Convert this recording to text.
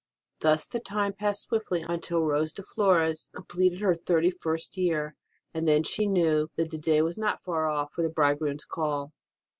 Thus the time passed swiftly on till Rose de Flores completed her thirty first year, and then she knew that the day was not far off for the Bridegroom s call.